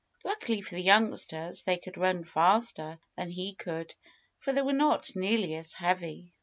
Luckily for the youngsters, they could run faster than he could, for they were not nearly as heavy.